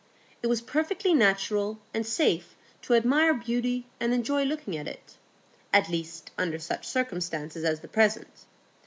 It was perfectly natural and safe to admire beauty and enjoy looking at it,—at least under such circumstances as the present.